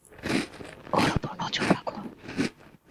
ওর উপর নজর রাখো।